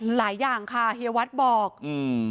หลายอย่างค่ะเฮียวัดบอกอืม